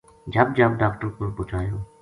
جھب جھب ڈاکٹر کول پوہچایو